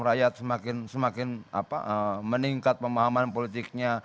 rakyat semakin meningkat pemahaman politiknya